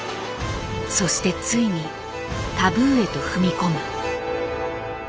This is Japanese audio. そしてついにタブーへと踏み込む。